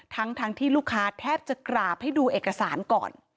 ทั้งที่ลูกค้าแทบจะกราบให้ดูเอกสารก่อน